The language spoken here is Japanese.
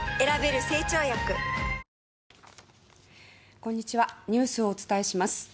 こんにちはニュースをお伝えします。